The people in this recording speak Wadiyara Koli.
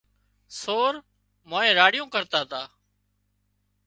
سور مانئين راڙيون ڪرتا تا